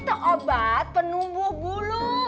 itu obat penumbuh bulu